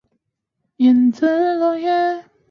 但此调查结果遭到质疑。